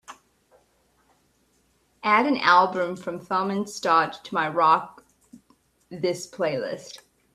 Add an album from Thomen Stauch to my Rock This playlist.